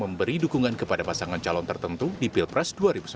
dan memberi dukungan kepada pasangan calon tertentu di pilpres dua ribu sembilan belas